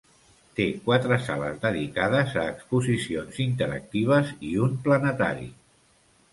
Té quatre sales dedicades a exposicions interactives i un planetari.